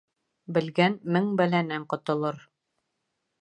Белгән мең бәләнән ҡотолор.